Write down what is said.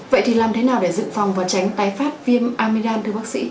vậy thì làm thế nào để dự phòng và tránh tái phát viêm amidam thưa bác sĩ